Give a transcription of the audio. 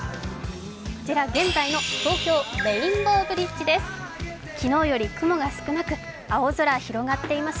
現在の東京レインボーブリッジです。